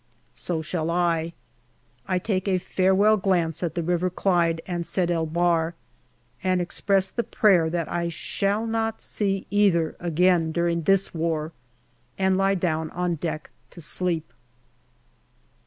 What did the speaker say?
So shall I. I take a farewell glance at the River Clyde and Sed el Bahr, and express the prayer that I shall not see either again during this war, and lie down on deck to sleep.